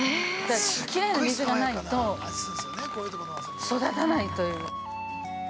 きれいな水がないと育たないという。